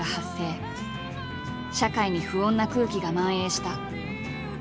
社会に不穏な空気が蔓延した。